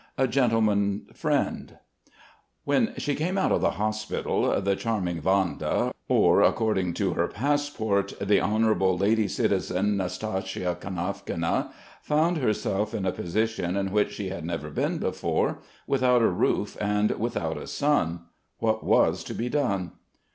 A GENTLEMAN FRIEND When she came out of the hospital the charming Vanda, or, according to her passport, "the honourable lady citizen Nastasya Kanavkina," found herself in a position in which she had never been before: without a roof and without a son. What was to be done?